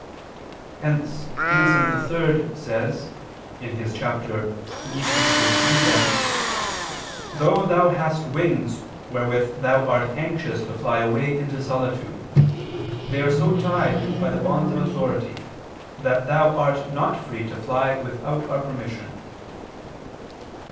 Hence Innocent III says (Extra, de Renunt., cap. Nisi cum pridem): "Though thou hast wings wherewith thou art anxious to fly away into solitude, they are so tied by the bonds of authority, that thou art not free to fly without our permission."